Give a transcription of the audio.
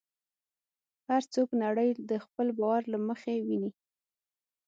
هر څوک نړۍ د خپل باور له مخې ویني.